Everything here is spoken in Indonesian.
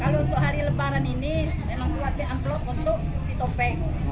kalau untuk hari lebaran ini memang sudah di unplot untuk topeng